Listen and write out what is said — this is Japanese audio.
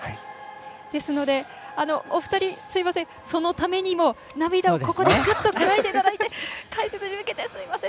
ですので、お二人すみません、そのためにも涙をここでこらえていただいて解説に向けて、すみません。